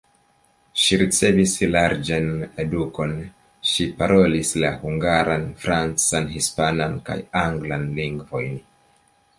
Ŝi ricevis larĝan edukadon, ŝi parolis la hungaran, francan, hispanan kaj anglan lingvojn.